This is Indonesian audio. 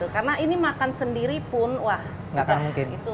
karena ini makan sendiripun wah itu akan begah